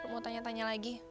mau tanya tanya lagi